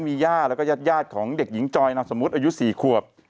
มีย่าแล้วก็ญาติของเด็กหญิงจอยนามสมมุติอายุ๔ขวบ